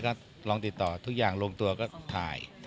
ก็ลองติดต่อทุกอย่างลงตัวก็ถ่าย